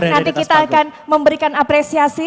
nanti kita akan memberikan apresiasi